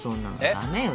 ダメよ